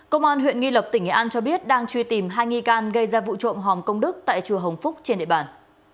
công an huyện nghi lộc tỉnh nghệ an cho biết đang truy tìm hai nghi can gây ra vụ trộm hòm công đức tại chùa hồng phúc trên địa bàn